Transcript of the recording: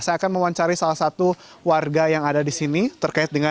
saya akan memancari salah satu warga yang ada di sini